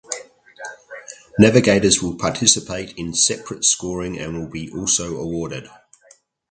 Navigators will participate in separate scoring and will be also awarded.